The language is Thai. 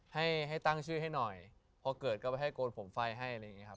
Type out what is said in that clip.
ให้ให้ตั้งชื่อให้หน่อยพอเกิดก็ไปให้โกนผมไฟให้อะไรอย่างนี้ครับ